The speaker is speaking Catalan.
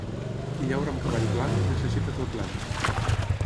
Qui llaura amb cavall blanc, necessita tot l'any.